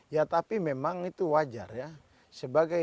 ya tapi memang itu wajar ya